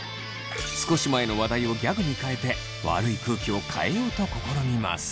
少し前の話題をギャグに変えて悪い空気を変えようと試みます。